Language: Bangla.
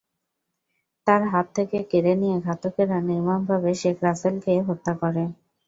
তাঁর হাত থেকে কেড়ে নিয়ে ঘাতকেরা নির্মমভাবে শেখ রাসেলকে হত্যা করে।